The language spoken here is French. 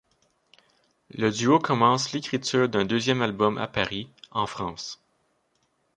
Le duo commence l'écriture d'un deuxième album à Paris, en France.